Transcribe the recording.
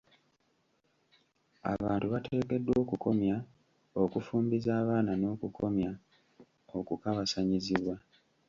Abantu bateekeddwa okukomya okufumbiza abaana n'okukomya okukabasanyizibwa.